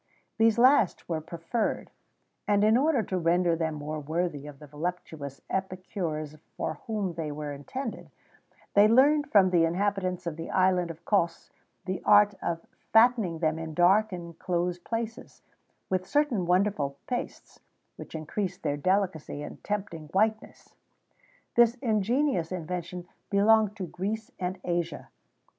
These last were preferred, and, in order to render them more worthy of the voluptuous epicures for whom they were intended, they learned from the inhabitants of the island of Cos the art of fattening them in dark and closed places, with certain wonderful pastes, which increased their delicacy and tempting whiteness.[XVII 12] This ingenious invention belonged to Greece and Asia.